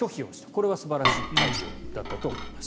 これは素晴らしい対応だったと思います。